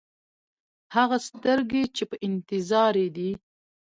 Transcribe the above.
هغه سترګې چې په انتظار یې دی.